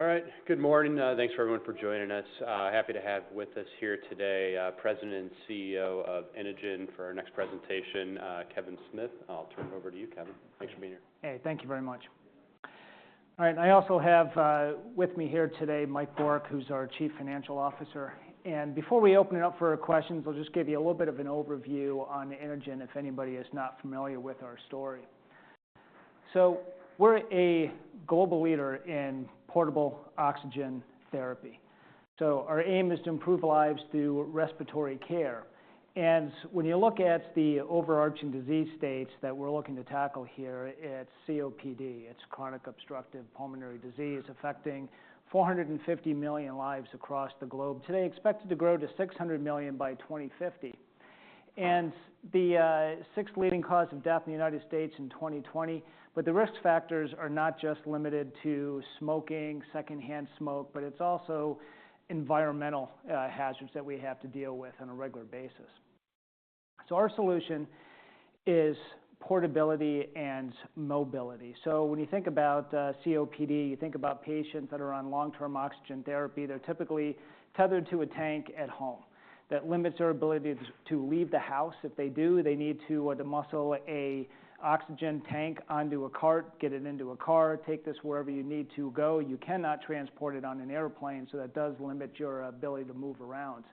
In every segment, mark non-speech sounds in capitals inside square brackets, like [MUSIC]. All right. Good morning. Thanks for everyone for joining us. Happy to have with us here today President and CEO of Inogen for our next presentation, Kevin Smith. I'll turn it over to you, Kevin. Thanks for being here. Hey, thank you very much. All right. I also have with me here today Mike Bourque, who's our Chief Financial Officer. And before we open it up for questions, I'll just give you a little bit of an overview on Inogen, if anybody is not familiar with our story. So we're a global leader in portable oxygen therapy. So our aim is to improve lives through respiratory care. And when you look at the overarching disease states that we're looking to tackle here, it's COPD. It's chronic obstructive pulmonary disease affecting 450 million lives across the globe. Today, expected to grow to 600 million by 2050. And the sixth leading cause of death in the United States in 2020. But the risk factors are not just limited to smoking, secondhand smoke, but it's also environmental hazards that we have to deal with on a regular basis. Our solution is portability and mobility. So when you think about COPD, you think about patients that are on long-term oxygen therapy. They're typically tethered to a tank at home. That limits their ability to leave the house. If they do, they need to muscle an oxygen tank onto a cart, get it into a car, take this wherever you need to go. You cannot transport it on an airplane, so that does limit your ability to move around.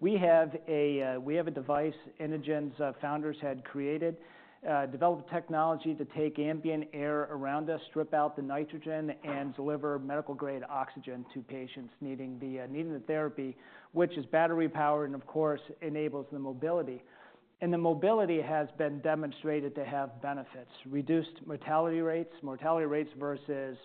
We have a device Inogen's founders had created, developed technology to take ambient air around us, strip out the nitrogen, and deliver medical-grade oxygen to patients needing the therapy, which is battery-powered and, of course, enables the mobility. The mobility has been demonstrated to have benefits: reduced mortality rates versus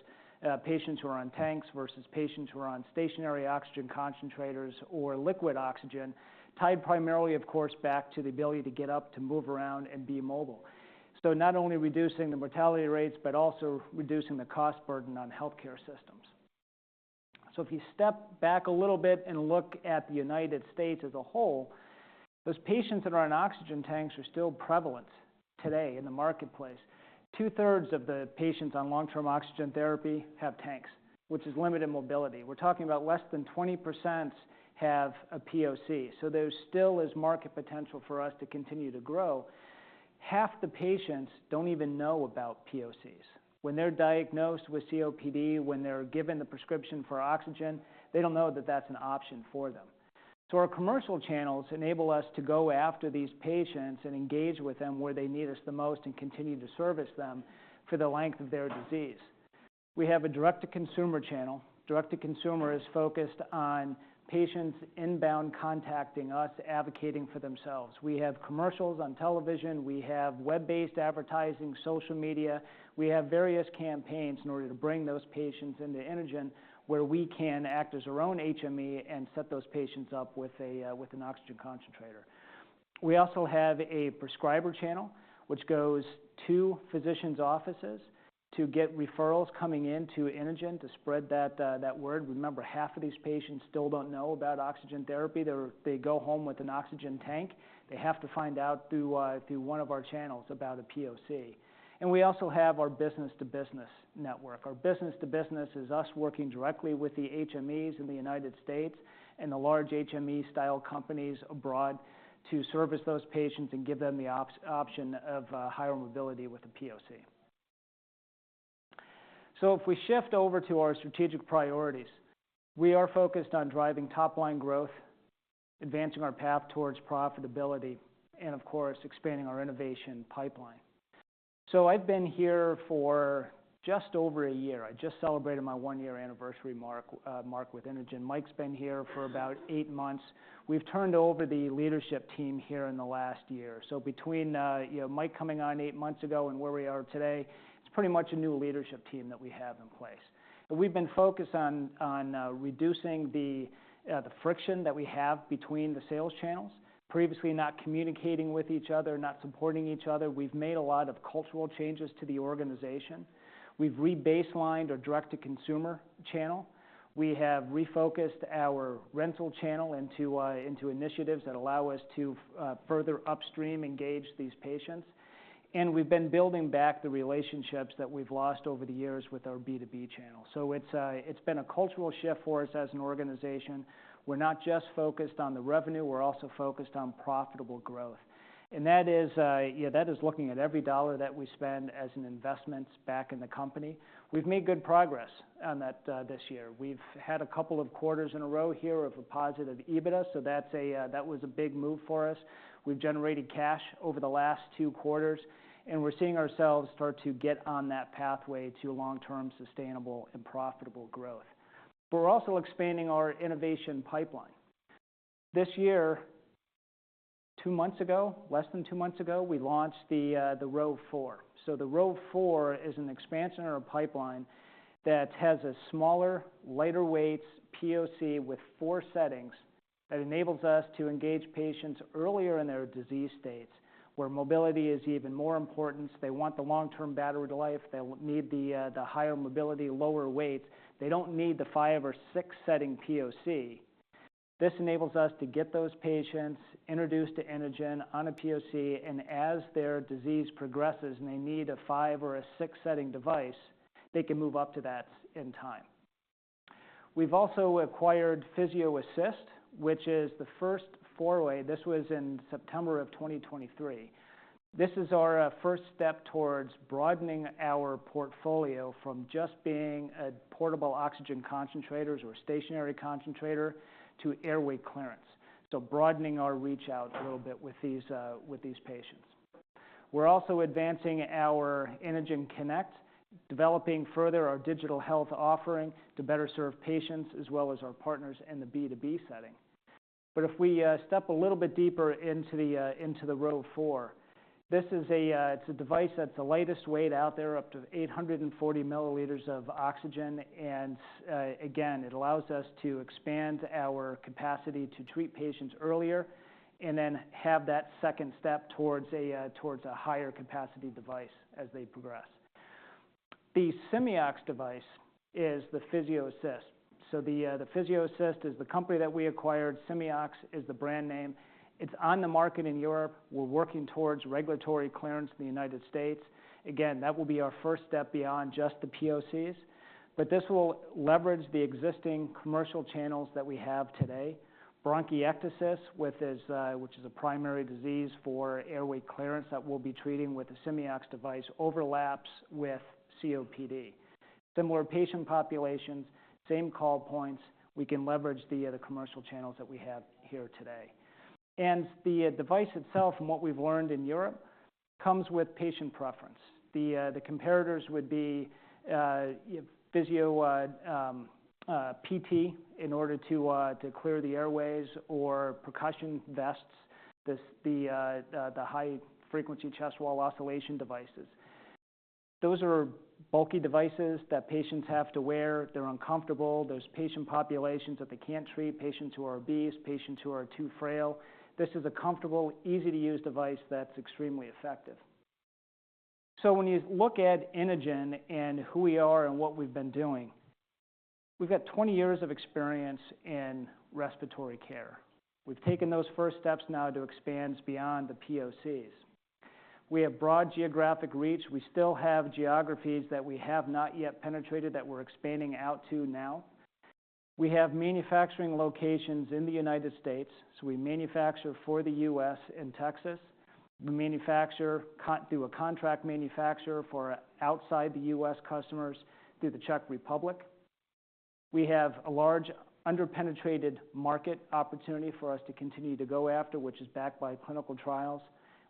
patients who are on tanks versus patients who are on stationary oxygen concentrators or liquid oxygen, tied primarily, of course, back to the ability to get up, to move around, and be mobile. Not only reducing the mortality rates, but also reducing the cost burden on healthcare systems. If you step back a little bit and look at the United States as a whole, those patients that are on oxygen tanks are still prevalent today in the marketplace. Two-thirds of the patients on long-term oxygen therapy have tanks, which is limited mobility. We're talking about less than 20% have a POC. There still is market potential for us to continue to grow. Half the patients don't even know about POCs. When they're diagnosed with COPD, when they're given the prescription for oxygen, they don't know that that's an option for them. So our commercial channels enable us to go after these patients and engage with them where they need us the most and continue to service them for the length of their disease. We have a direct-to-consumer channel. Direct-to-consumer is focused on patients inbound contacting us, advocating for themselves. We have commercials on television. We have web-based advertising, social media. We have various campaigns in order to bring those patients into Inogen where we can act as our own HME and set those patients up with an oxygen concentrator. We also have a prescriber channel, which goes to physicians' offices to get referrals coming into Inogen to spread that word. Remember, half of these patients still don't know about oxygen therapy. They go home with an oxygen tank. They have to find out through one of our channels about a POC. And we also have our business-to-business network. Our business-to-business is us working directly with the HMEs in the United States and the large HME-style companies abroad to service those patients and give them the option of higher mobility with a POC. So if we shift over to our strategic priorities, we are focused on driving top-line growth, advancing our path towards profitability, and, of course, expanding our innovation pipeline. So I've been here for just over a year. I just celebrated my one-year anniversary mark with Inogen. Mike's been here for about eight months. We've turned over the leadership team here in the last year. So between Mike coming on eight months ago and where we are today, it's pretty much a new leadership team that we have in place. We've been focused on reducing the friction that we have between the sales channels. Previously, not communicating with each other, not supporting each other. We've made a lot of cultural changes to the organization. We've rebaselined our direct-to-consumer channel. We have refocused our rental channel into initiatives that allow us to further upstream engage these patients. We've been building back the relationships that we've lost over the years with our B2B channel. It's been a cultural shift for us as an organization. We're not just focused on the revenue. We're also focused on profitable growth. That is looking at every dollar that we spend as an investment back in the company. We've made good progress on that this year. We've had a couple of quarters in a row here of a positive EBITDA, so that was a big move for us. We've generated cash over the last two quarters, and we're seeing ourselves start to get on that pathway to long-term sustainable and profitable growth. But we're also expanding our innovation pipeline. This year, two months ago, less than two months ago, we launched the Rove 4. So the Rove 4 is an expansion of our pipeline that has a smaller, lighter weight POC with four settings that enables us to engage patients earlier in their disease states where mobility is even more important. They want the long-term battery life. They'll need the higher mobility, lower weights. They don't need the five or six-setting POC. This enables us to get those patients introduced to Inogen on a POC, and as their disease progresses and they need a five or a six-setting device, they can move up to that in time. We've also acquired PhysioAssist, which is the first foray. This was in September of 2023. This is our first step towards broadening our portfolio from just being portable oxygen concentrators or stationary concentrator to airway clearance. So broadening our reach out a little bit with these patients. We're also advancing our Inogen Connect, developing further our digital health offering to better serve patients as well as our partners in the B2B setting. But if we step a little bit deeper into the Rove 4, this is a device that's the lightest weight out there, up to 840 ml of oxygen. And again, it allows us to expand our capacity to treat patients earlier and then have that second step towards a higher capacity device as they progress. The Simeox device is the PhysioAssist. So the PhysioAssist is the company that we acquired. Simeox is the brand name. It's on the market in Europe. We're working towards regulatory clearance in the United States. Again, that will be our first step beyond just the POCs. But this will leverage the existing commercial channels that we have today. Bronchiectasis, which is a primary disease for airway clearance that we'll be treating with a Simeox device, overlaps with COPD. Similar patient populations, same call points. We can leverage the commercial channels that we have here today. And the device itself, from what we've learned in Europe, comes with patient preference. The comparators would be physiotherapy in order to clear the airways or percussion vests, the high-frequency chest wall oscillation devices. Those are bulky devices that patients have to wear. They're uncomfortable. There's patient populations that they can't treat, patients who are obese, patients who are too frail. This is a comfortable, easy-to-use device that's extremely effective. So when you look at Inogen and who we are and what we've been doing, we've got 20 years of experience in respiratory care. We've taken those first steps now to expand beyond the POCs. We have broad geographic reach. We still have geographies that we have not yet penetrated that we're expanding out to now. We have manufacturing locations in the United States, so we manufacture for the U.S. in Texas. We manufacture through a contract manufacturer for outside-the-U.S. customers through the Czech Republic. We have a large under-penetrated market opportunity for us to continue to go after, which is backed by clinical trials.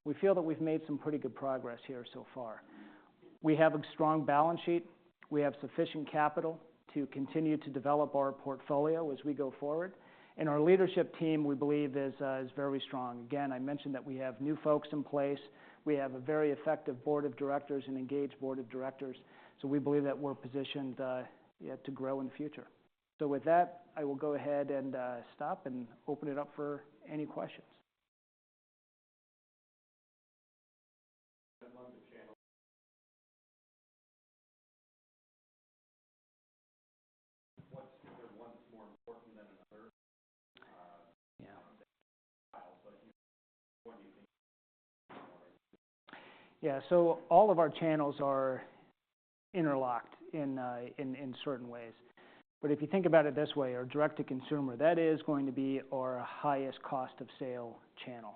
We feel that we've made some pretty good progress here so far. We have a strong balance sheet. We have sufficient capital to continue to develop our portfolio as we go forward, and our leadership team, we believe, is very strong. Again, I mentioned that we have new folks in place. We have a very effective board of directors and engaged board of directors. So we believe that we're positioned to grow in the future. So with that, I will go ahead and stop and open it up for any questions. What's different? One's more important than another? Yeah. [AUDIO DISTORTION] Yeah. So all of our channels are interlocked in certain ways. But if you think about it this way, our direct-to-consumer, that is going to be our highest cost-of-sale channel,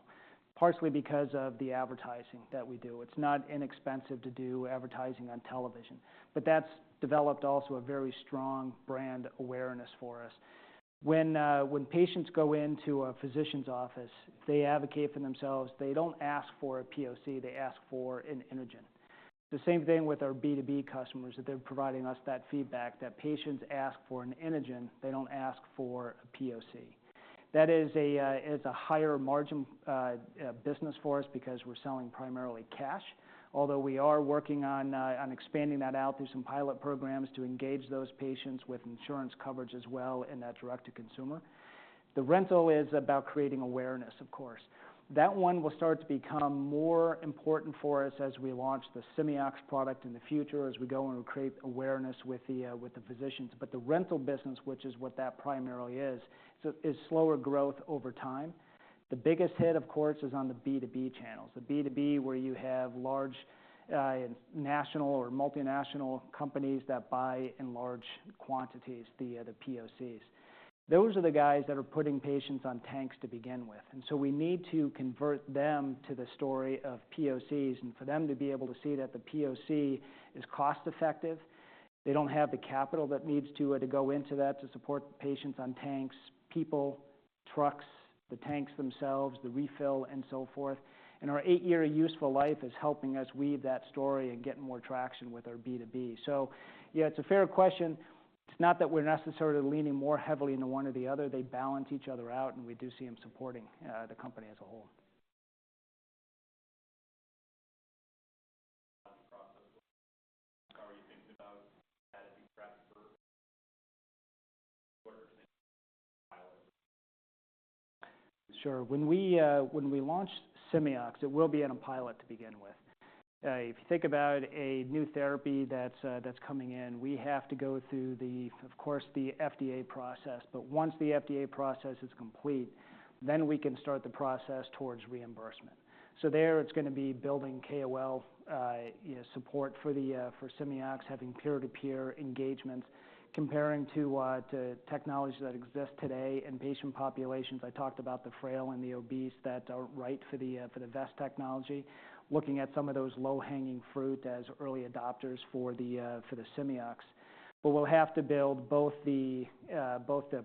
partially because of the advertising that we do. It's not inexpensive to do advertising on television. But that's developed also a very strong brand awareness for us. When patients go into a physician's office, they advocate for themselves. They don't ask for a POC. They ask for an Inogen. The same thing with our B2B customers that they're providing us that feedback that patients ask for an Inogen. They don't ask for a POC. That is a higher-margin business for us because we're selling primarily cash, although we are working on expanding that out through some pilot programs to engage those patients with insurance coverage as well in that direct-to-consumer. The rental is about creating awareness, of course. That one will start to become more important for us as we launch the Simeox product in the future as we go and create awareness with the physicians. But the rental business, which is what that primarily is, is slower growth over time. The biggest hit, of course, is on the B2B channels, the B2B where you have large national or multinational companies that buy in large quantities, the POCs. Those are the guys that are putting patients on tanks to begin with. And so we need to convert them to the story of POCs. And for them to be able to see that the POC is cost-effective, they don't have the capital that needs to go into that to support patients on tanks, people, trucks, the tanks themselves, the refill, and so forth. And our eight-year useful life is helping us weave that story and get more traction with our B2B. So yeah, it's a fair question. It's not that we're necessarily leaning more heavily into one or the other. They balance each other out, and we do see them supporting the company as a whole. [AUDIO DISTORTION] Sure. When we launched Simeox, it will be in a pilot to begin with. If you think about a new therapy that's coming in, we have to go through, of course, the FDA process. But once the FDA process is complete, then we can start the process towards reimbursement. So there, it's going to be building KOL support for Simeox, having peer-to-peer engagements, comparing to technologies that exist today in patient populations. I talked about the frail and the obese that are right for the vest technology, looking at some of those low-hanging fruit as early adopters for the Simeox. But we'll have to build both the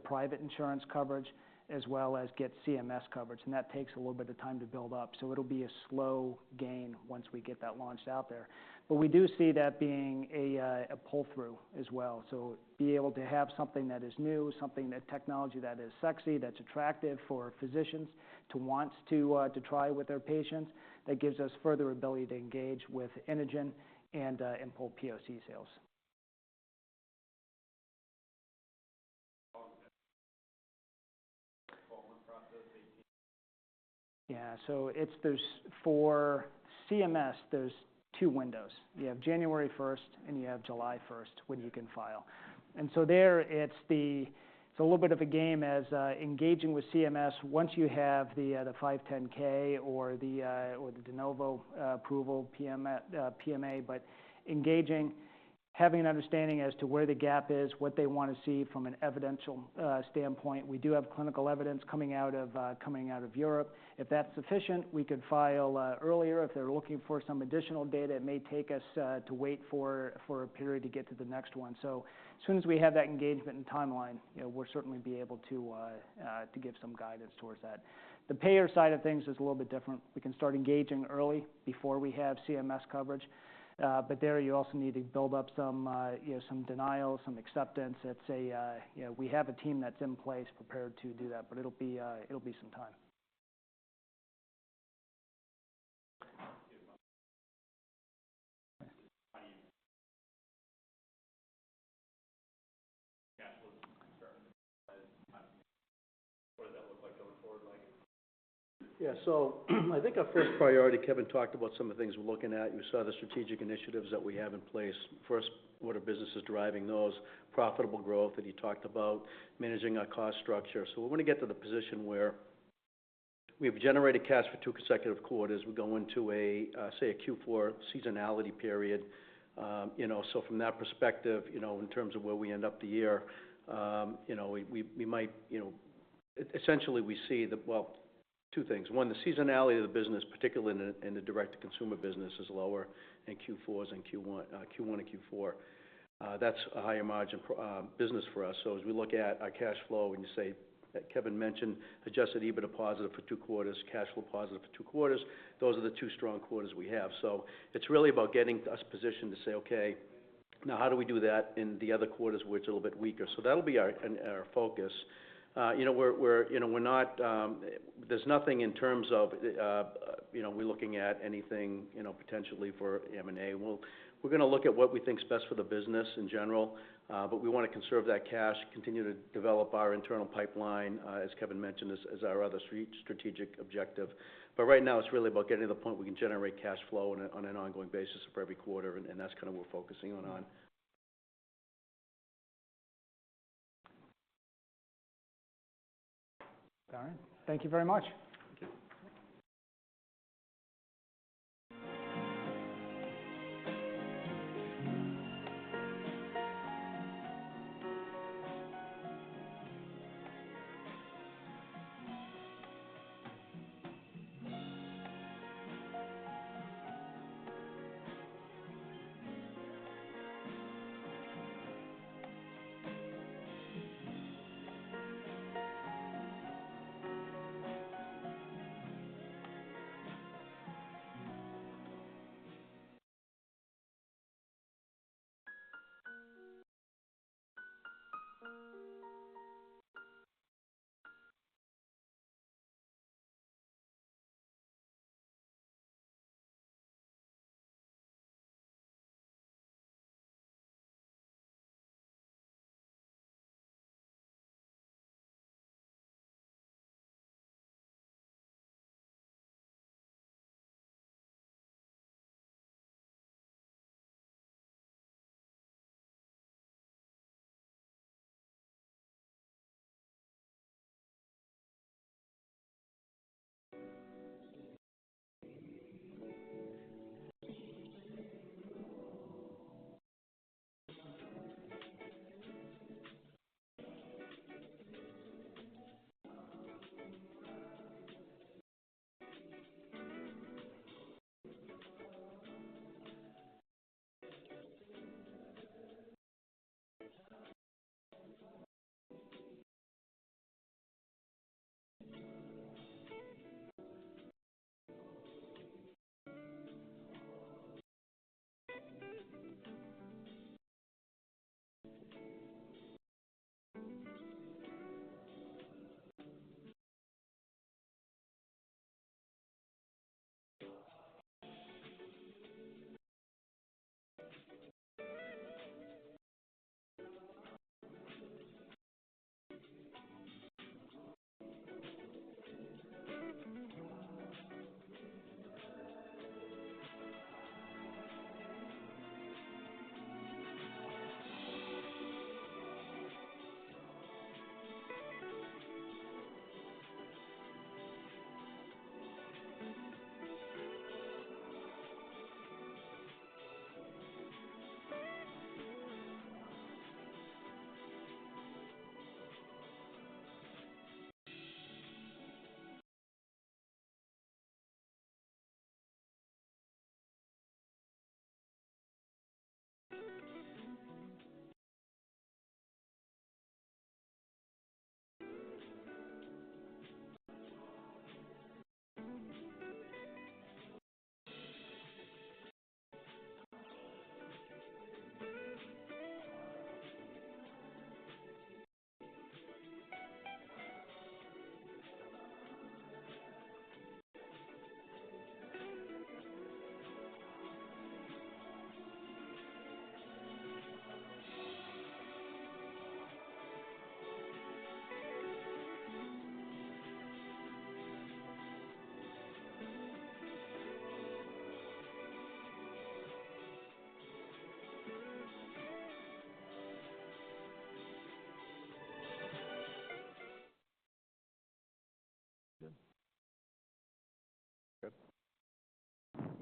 private insurance coverage as well as get CMS coverage. And that takes a little bit of time to build up. So it'll be a slow gain once we get that launched out there. But we do see that being a pull-through as well. So be able to have something that is new, something that technology that is sexy, that's attractive for physicians to want to try with their patients. That gives us further ability to engage with Inogen and pull POC sales. Yeah. So for CMS, there's two windows. You have January 1st, and you have July 1st when you can file. And so there, it's a little bit of a game as engaging with CMS once you have the 510(k) or the de novo approval PMA, but engaging, having an understanding as to where the gap is, what they want to see from an evidential standpoint. We do have clinical evidence coming out of Europe. If that's sufficient, we could file earlier. If they're looking for some additional data, it may take us to wait for a period to get to the next one. So as soon as we have that engagement and timeline, we'll certainly be able to give some guidance towards that. The payer side of things is a little bit different. We can start engaging early before we have CMS coverage. But there, you also need to build up some denial, some acceptance. We have a team that's in place prepared to do that, but it'll be some time. [AUDIO DISTORTION] Yeah. So I think our first priority, Kevin talked about some of the things we're looking at. You saw the strategic initiatives that we have in place. First, what are businesses driving those? Profitable growth that he talked about, managing our cost structure. We want to get to the position where we've generated cash for two consecutive quarters. We go into, say, a Q4 seasonality period. From that perspective, in terms of where we end up the year, we might essentially see that, well, two things. One, the seasonality of the business, particularly in the direct-to-consumer business, is lower in Q4s and Q1 and Q4. That's a higher-margin business for us. As we look at our cash flow, when you say, Kevin mentioned, adjusted EBITDA positive for two quarters, cash flow positive for two quarters, those are the two strong quarters we have. So it's really about getting us positioned to say, "Okay, now how do we do that in the other quarters where it's a little bit weaker?" So that'll be our focus. We're not. There's nothing in terms of we're looking at anything potentially for M&A. We're going to look at what we think is best for the business in general, but we want to conserve that cash, continue to develop our internal pipeline, as Kevin mentioned, as our other strategic objective. But right now, it's really about getting to the point we can generate cash flow on an ongoing basis for every quarter, and that's kind of what we're focusing on. All right. Thank you very much.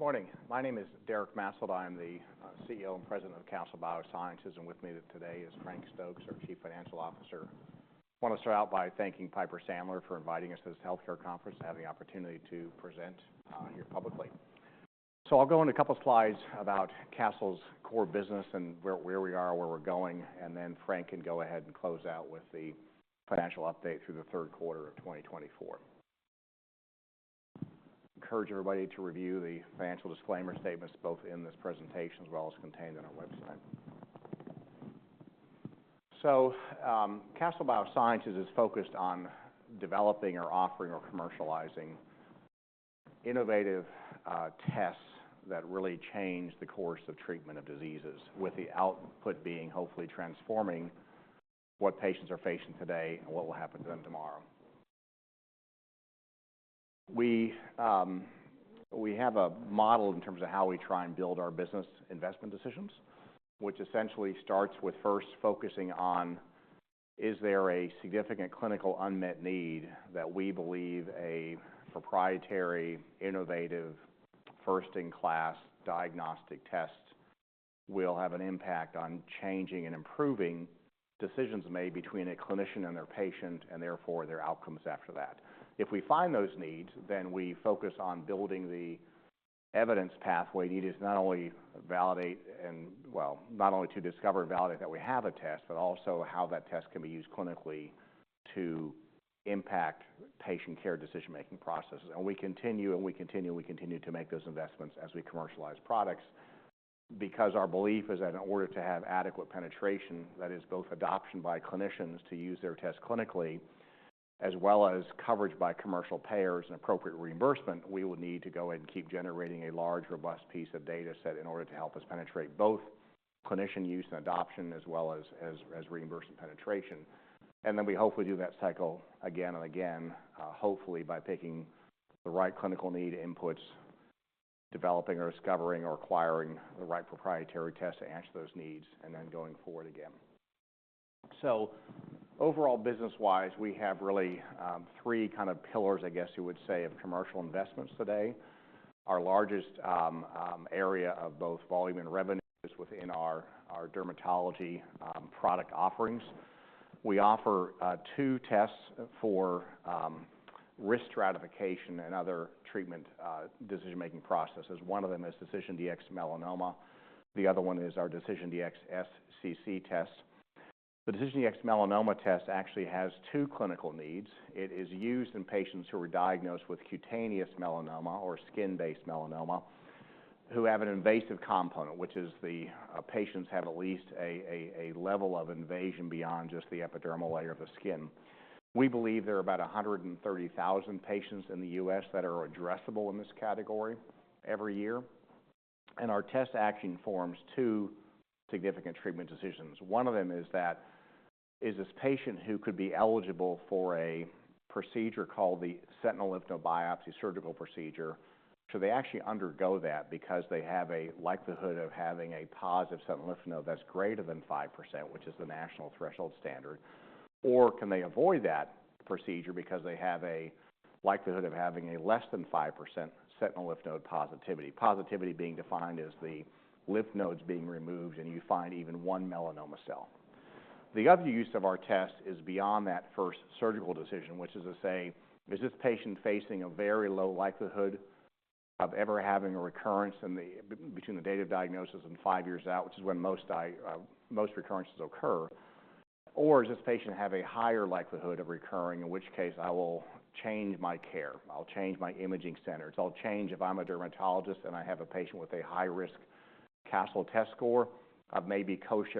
Good morning. My name is Derek Maetzold. I'm the CEO and President of Castle Biosciences. And with me today is Frank Stokes, our Chief Financial Officer. I want to start out by thanking Piper Sandler for inviting us to this healthcare conference and having the opportunity to present here publicly. So I'll go into a couple of slides about Castle's core business and where we are, where we're going. And then Frank can go ahead and close out with the financial update through the third quarter of 2024. Encourage everybody to review the financial disclaimer statements both in this presentation as well as contained on our website. So Castle Biosciences is focused on developing or offering or commercializing innovative tests that really change the course of treatment of diseases, with the output being hopefully transforming what patients are facing today and what will happen to them tomorrow. We have a model in terms of how we try and build our business investment decisions, which essentially starts with first focusing on, is there a significant clinical unmet need that we believe a proprietary, innovative, first-in-class diagnostic test will have an impact on changing and improving decisions made between a clinician and their patient and therefore their outcomes after that? If we find those needs, then we focus on building the evidence pathway. The need is not only to validate and, well, not only to discover and validate that we have a test, but also how that test can be used clinically to impact patient care decision-making processes. And we continue, and we continue, and we continue to make those investments as we commercialize products because our belief is that in order to have adequate penetration, that is, both adoption by clinicians to use their test clinically as well as coverage by commercial payers and appropriate reimbursement, we will need to go ahead and keep generating a large, robust piece of data set in order to help us penetrate both clinician use and adoption as well as reimbursement penetration. And then we hope we do that cycle again and again, hopefully by picking the right clinical need inputs, developing or discovering or acquiring the right proprietary test to answer those needs, and then going forward again. So overall, business-wise, we have really three kind of pillars, I guess you would say, of commercial investments today. Our largest area of both volume and revenue is within our dermatology product offerings. We offer two tests for risk stratification and other treatment decision-making processes. One of them is DecisionDx-Melanoma. The other one is our DecisionDx-SCC test. The DecisionDx-Melanoma test actually has two clinical needs. It is used in patients who are diagnosed with cutaneous melanoma or skin-based melanoma who have an invasive component, which is the patients have at least a level of invasion beyond just the epidermal layer of the skin. We believe there are about 130,000 patients in the U.S. that are addressable in this category every year. And our test actually informs two significant treatment decisions. One of them is this patient who could be eligible for a procedure called the sentinel lymph node biopsy surgical procedure. Should they actually undergo that because they have a likelihood of having a positive sentinel lymph node that's greater than 5%, which is the national threshold standard? Or can they avoid that procedure because they have a likelihood of having a less than 5% sentinel lymph node positivity? Positivity being defined as the lymph nodes being removed and you find even one melanoma cell. The other use of our test is beyond that first surgical decision, which is to say, is this patient facing a very low likelihood of ever having a recurrence between the date of diagnosis and five years out, which is when most recurrences occur? Or does this patient have a higher likelihood of recurring, in which case I will change my care? I'll change my imaging centers. I'll change if I'm a dermatologist and I have a patient with a high-risk Castle test score, I may be coached.